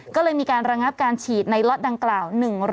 ก็เลยมีการระงับการฉีดในล็อตดังกล่าว